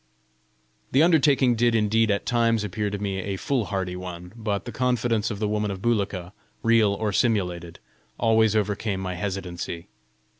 The undertaking did indeed at times appear to me a foolhardy one, but the confidence of the woman of Bulika, real or simulated, always overcame my hesitancy.